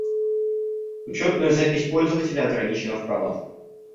Учетная запись пользователя ограничена в правах